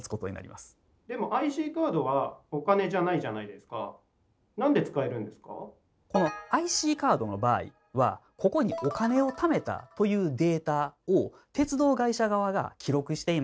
ですからこのＩＣカードの場合はここに「お金をためた」というデータを鉄道会社側が記録しています。